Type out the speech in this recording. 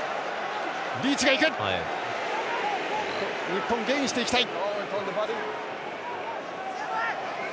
日本、ゲインしていきたい。